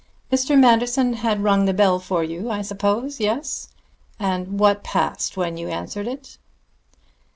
"Mr. Manderson had rung the bell for you, I suppose. Yes? And what passed when you answered it?"